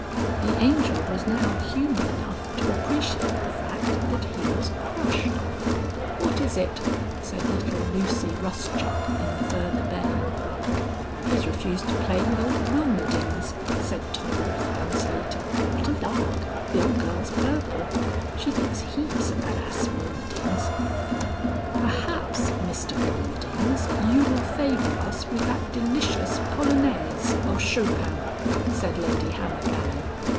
The Angel was now human enough to appreciate the fact that he was crushed. "What is it?" said little Lucy Rustchuck in the further bay. "He's refused to play with old Wilmerdings," said Tommy Rathbone Slater. "What a lark! The old girl's purple. She thinks heaps of that ass, Wilmerdings." "Perhaps, Mr Wilmerdings, you will favour us with that delicious Polonaise of Chopin's," said Lady Hammergallow.